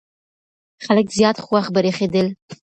خلک زیات خوښ برېښېدل.